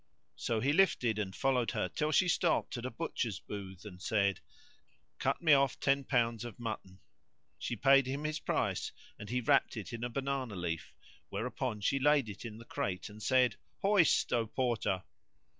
So he lifted and followed her till she stopped at a butcher's booth and said, "Cut me off ten pounds of mutton." She paid him his price and he wrapped it in a banana leaf, whereupon she laid it in the crate and said "Hoist, O Porter."